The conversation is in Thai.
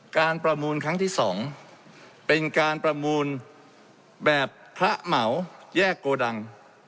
ประมูลครั้งที่๒เป็นการประมูลแบบพระเหมาแยกโกดัง